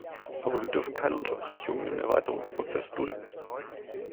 Aber wir dürfen keine Unterbrechung im Erweiterungsprozess dulden.